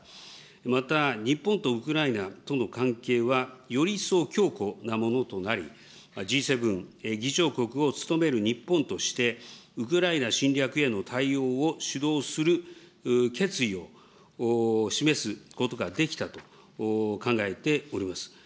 また日本とウクライナとの関係はより一層、強固なものとなり、Ｇ７議長国を務める日本として、ウクライナ侵略への対応を主導する決意を示すことができたと考えております。